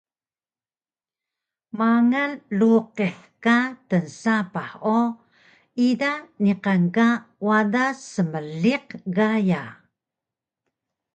Mangal luqih ka tnsapah o ida niqan ka wada smeeliq gaya